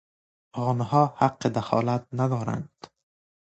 آنها حق دخالت ندارند.